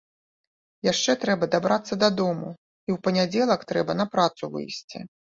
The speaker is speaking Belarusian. Яшчэ трэба дабрацца да дому і ў панядзелак трэба на працу выйсці.